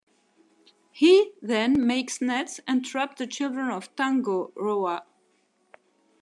He then makes nets, and traps the children of Tangaroa.